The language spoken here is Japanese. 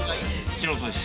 素人です。